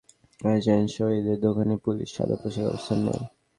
কুড়িগ্রাম পৌর বাজারের বিকাশ এজেন্ট শহিদের দোকানে পুলিশ সাদা পোশাকে অবস্থান নেয়।